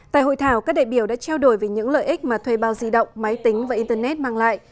tại hội thảo các đại biểu đã trao đổi về những lợi ích mà thuê bao di động máy tính và internet mang lại